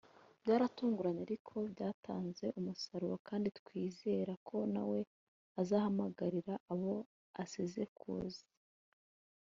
byaratuvunnye ariko byatanze umusaruro kandi twizera ko nawe azahamagarira abo asize kuza